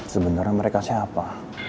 sebenernya mereka siapa